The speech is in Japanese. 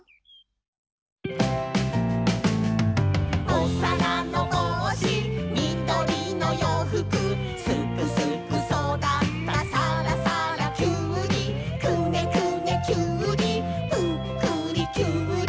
「おさらのぼうしみどりのようふく」「すくすくそだったさらさらキュウリ」「くねくねキュウリぷっくりキュウリ」